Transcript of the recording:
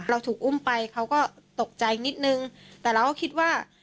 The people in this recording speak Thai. เราถูกอุ้มไปเขาก็ตกใจนิดนึงแต่เราก็คิดว่า